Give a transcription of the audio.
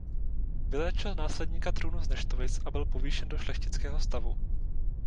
Vyléčil následníka trůnu z neštovic a byl povýšen do šlechtického stavu.